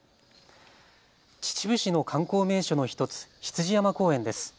秩父市の観光名所の１つ、羊山公園です。